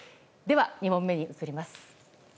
２問目に移ります。